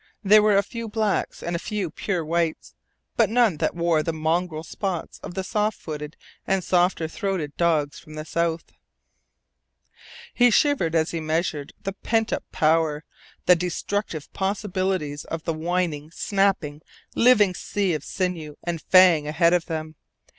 There were a few blacks, and a few pure whites, but none that wore the mongrel spots of the soft footed and softer throated dogs from the south. He shivered as he measured the pent up power, the destructive possibilites of the whining, snapping, living sea of sinew and fang ahead of them.